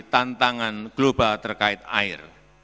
tantangan global terkait air